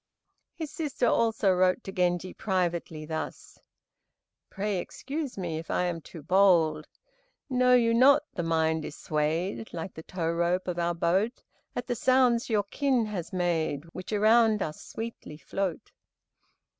His sister also wrote to Genji privately thus: "Pray excuse me if I am too bold. Know you not the mind is swayed Like the tow rope of our boat, At the sounds your Kin has made, Which around us sweetly float."